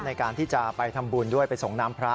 ในการที่จะไปทำบุญด้วยไปส่งน้ำพระ